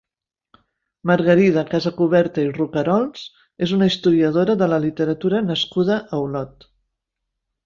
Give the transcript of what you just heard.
Margarida Casacuberta i Rocarols és una historiadora de la literatura nascuda a Olot.